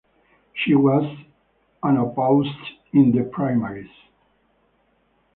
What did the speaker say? She was unopposed in the primaries.